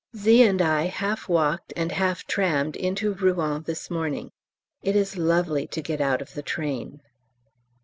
Z. and I half walked and half trammed into Rouen this morning. It is lovely to get out of the train.